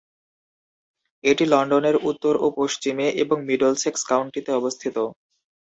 এটি লন্ডনের উত্তর ও পশ্চিমে এবং মিডলসেক্স কাউন্টিতে অবস্থিত।